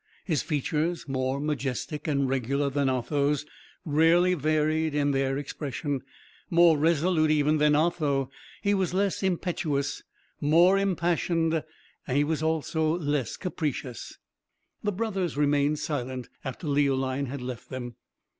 His features, more majestic and regular than Otho's, rarely varied in their expression. More resolute even than Otho, he was less impetuous; more impassioned, he was also less capricious. The brothers remained silent after Leoline had left them.